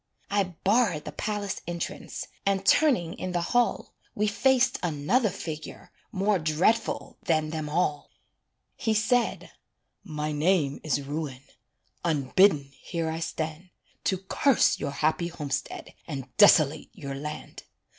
I barred the palace entrance, And turning in the hall We faced another figure More dreadful than them all; He said: "My name is Ruin Unbidden here I stand, To curse your happy homestead And desolate your land.